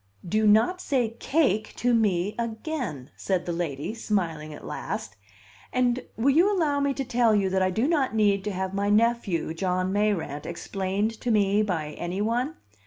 "Do not say cake to me again!" said the lady, smiling at last. "And will you allow me to tell you that I do not need to have my nephew, John Mayrant, explained to me by any one?